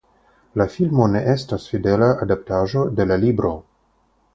La filmo ne estas fidela adaptaĵo de la libro.